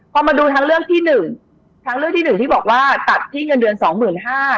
พอมาดูทั้งเรื่องที่หนึ่งที่บอกว่าตัดที่เงินเดือน๒๕๐๐๐บาท